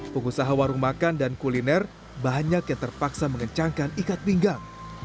pengusaha warung makan dan kuliner banyak yang terpaksa mengencangkan ikat pinggang